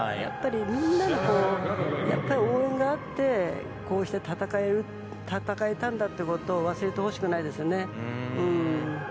みんなの応援があってこうして戦えたんだということを忘れてほしくないですよね。